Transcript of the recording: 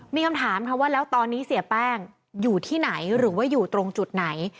มีคำถามค่ะว่าแล้วตอนนี้เสียแป้งอยู่ที่ไหนหรือว่าอยู่ตรงจุดไหน